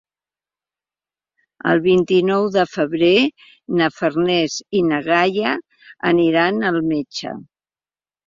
El vint-i-nou de febrer na Farners i na Gal·la aniran al metge.